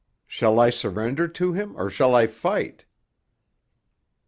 "Shall I surrender to him or shall I fight?"